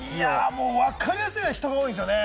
もうわかりやすいように人が多いんですよね。